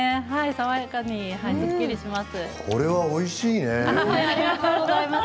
爽やかにすっきりします。